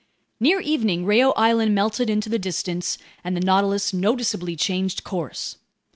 Near evening Reao Island melted into the distance, and the Nautilus noticeably changed course.